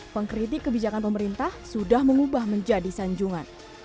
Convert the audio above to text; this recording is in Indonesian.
pengkritik kebijakan pemerintah sudah mengubah menjadi sanjungan